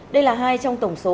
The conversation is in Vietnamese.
đây là hai trong tổng số